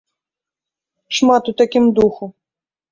Шмат у такім духу.